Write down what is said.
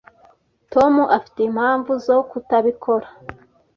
Tom afite impamvu zo kutabikora.